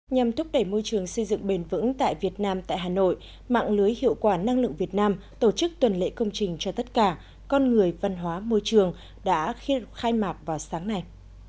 nhằm thúc đẩy môi trường xây dựng bền vững tại việt nam tại hà nội mạng lưới hiệu quả năng lượng việt nam tổ chức tuần lễ công trình cho tất cả con người văn hóa môi trường đã khai mạc vào sáng nay